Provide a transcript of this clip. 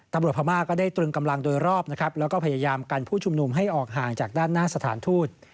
ตำรวจพามาก็ได้ตรึงกำลังโดยรอบและพยายามกันผู้ชุมนุมให้ออกห่างจากด้านหน้าสถานทูต